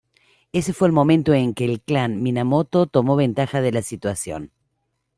Ese fue el momento en que el clan Minamoto tomó ventaja de la situación.